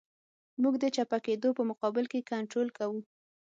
موږ د چپه کېدو په مقابل کې کنټرول کوو